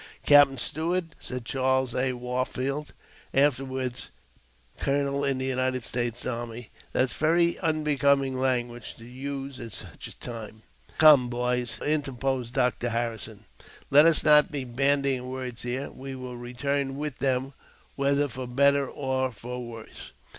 " Captain Stuart," said Charles A. Wharfield, afterward colonel in the United States army, '' that's very unbecoming language to use at such a time." " Come, come, boys," interposed Dr. Harrison, " let us not be bandying words here. We will return with them, whether for better or for worse."